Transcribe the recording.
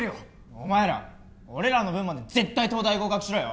お前ら俺らの分まで絶対東大合格しろよ！